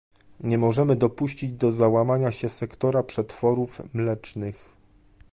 Nie możemy dopuścić do załamania się sektora przetworów mlecznych